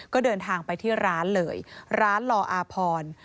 ก็เดินทางไปที่ร้านเลยร้านลออาพร